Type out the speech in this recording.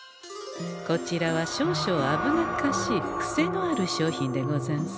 こちらは少々危なっかしいクセのある商品でござんす。